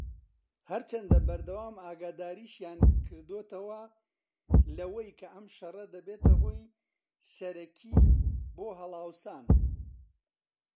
هەرچەندە بەردەوام ئاگاداریشیان کردۆتەوە لەوەی ئەم شەڕە دەبێتە هۆی سەرەکیی بۆ هەڵاوسان